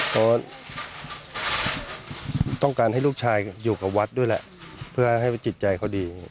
เขาต้องการให้ลูกชายอยู่กับวัดด้วยแหละเพื่อให้จิตใจเขาดี